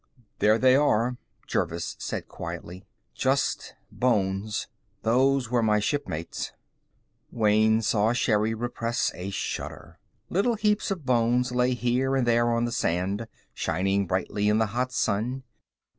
"There they are," Jervis said quietly. "Just bones. Those were my shipmates." Wayne saw Sherri repress a shudder. Little heaps of bones lay here and there on the sand, shining brightly in the hot sun.